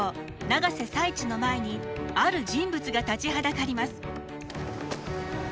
永瀬財地の前にある人物が立ちはだかります。